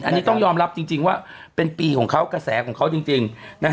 อันนี้ต้องยอมรับจริงว่าเป็นปีของเขากระแสของเขาจริง